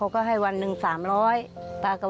ป้าก็ทำของคุณป้าได้ยังไงสู้ชีวิตขนาดไหนติดตามกัน